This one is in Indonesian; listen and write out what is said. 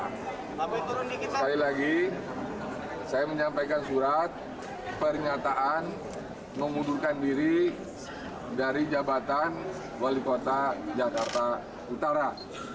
sekali lagi saya menyampaikan surat pernyataan mengundurkan diri dari jabatan wali kota jakarta utara